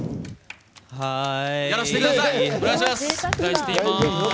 やらせてください！